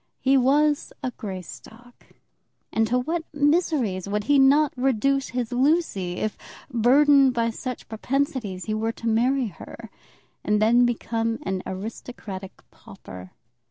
He was a Greystock, and to what miseries would he not reduce his Lucy if, burthened by such propensities, he were to marry her and then become an aristocratic pauper!